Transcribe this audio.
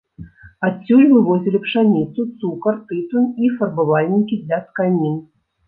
Адсюль вывозілі пшаніцу, цукар, тытунь і фарбавальнікі для тканін.